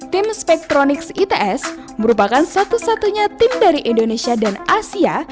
tim spektronics its merupakan satu satunya tim dari indonesia dan asia